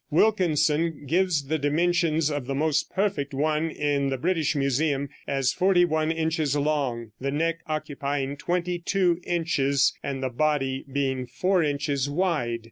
Wilkinson gives the dimensions of the most perfect one in the British Museum as forty one inches long, the neck occupying twenty two inches, and the body being four inches wide.